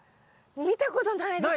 見たことないです。